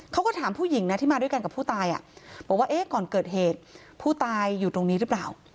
เขาก็ถามผู้หญิงนะที่มาด้วยกันกับผู้ตายบอกว่าเอ๊ะก่อนเกิดเหตุผู้ตายอยู่ตรงนี้หรือเปล่า